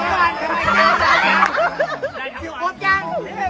ฆ่าคนนี้ได้ด้วย